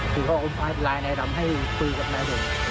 หรือว่าลายนายดำให้ตือกับนายดง